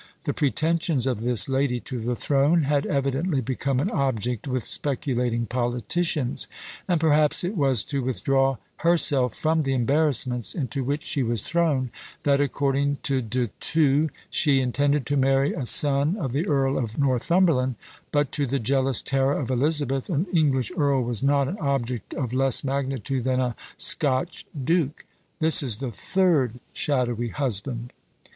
The pretensions of this lady to the throne had evidently become an object with speculating politicians; and perhaps it was to withdraw herself from the embarrassments into which she was thrown, that, according to De Thou, she intended to marry a son of the Earl of Northumberland; but, to the jealous terror of Elizabeth, an English Earl was not an object of less magnitude than a Scotch Duke. This is the third shadowy husband.